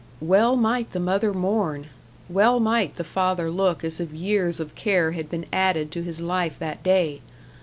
Well might the mother mourn! Well might the father look as if years of care had been added to his life that day!